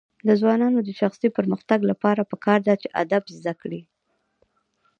د ځوانانو د شخصي پرمختګ لپاره پکار ده چې ادب زده کړي.